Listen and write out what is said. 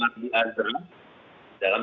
azri azra dalam